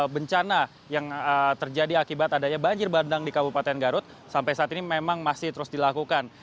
bencana yang terjadi akibat adanya banjir bandang di kabupaten garut sampai saat ini memang masih terus dilakukan